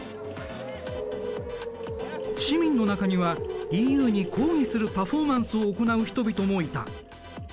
市民の中にはＥＵに抗議するパフォーマンスを行う人々もいた。